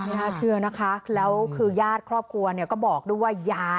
น่าเชื่อนะคะแล้วคือญาติครอบครัวเนี่ยก็บอกด้วยว่ายา